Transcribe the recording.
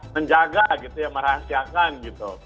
menjaga gitu ya merahasiakan gitu